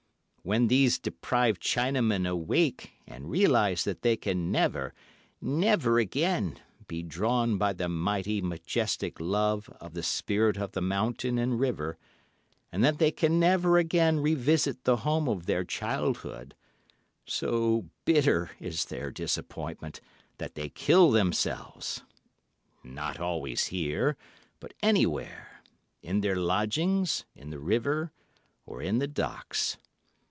When these depraved Chinamen awake and realise that they can never, never again, be drawn by the mighty, majestic love of the Spirit of the Mountain and River, and that they can never again revisit the home of their childhood, so bitter is their disappointment that they kill themselves—not always here, but anywhere—in their lodgings, in the river, or in the docks.